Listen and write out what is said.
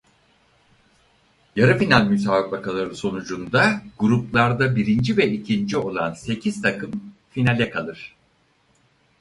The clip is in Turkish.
Yarı final müsabakaları sonucunda gruplarda birinci ve ikinci olan sekiz takım Finale kalır.